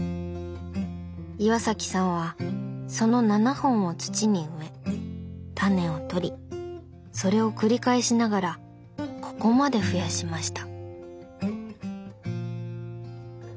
岩さんはその７本を土に植えタネをとりそれを繰り返しながらここまで増やしました。